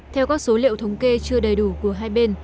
theo các số liệu thống kê chưa đầy đủ của hai bên